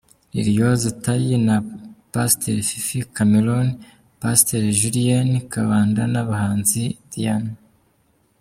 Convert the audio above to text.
Liliose Tayi na Pst Fifi Cameroon, Pst Julienne Kabanda n’abahanzi Diae.